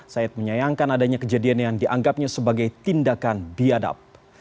said menyayangkan adanya kejadian yang dianggapnya sebagai tindakan biadab